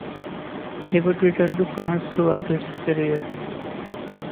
He would return to France throughout his career.